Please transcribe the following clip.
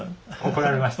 怒られました？